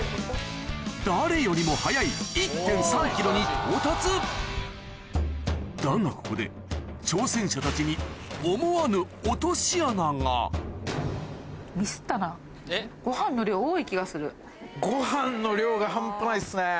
誰よりも早いに到達だがここで挑戦者たちに思わぬご飯の量が半端ないっすね。